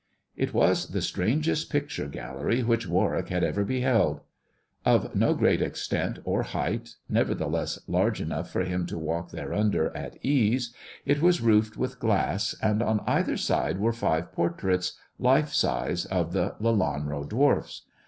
It was the strangest picture gallery which Warwick had ever beheld. Of no great extent or height, nevertheless large enough for him to walk thereunder at ease, it was roofed with glass, and on either side were five portraits, life size, of the Lelanro dwarfs.